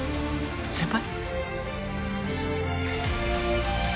先輩？